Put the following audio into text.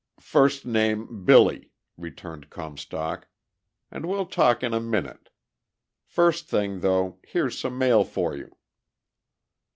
"First name, Billy," returned Comstock. "And we'll talk in a minute. First thing though, there's some mail for you!"